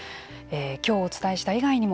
今日お伝えした以外にも